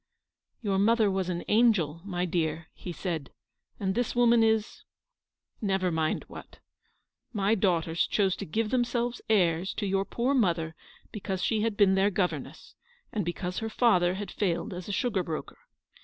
"Your mother was an angel, my dear," he said ;" and this woman is — never mind what. My daughters chose to give themselves airs to your poor mother because she had been their governess, and because her father had failed as a sugar broker."